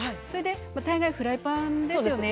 大概フライパンですよね。